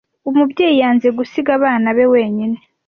Umubyeyi yanze gusiga abana be wenyine.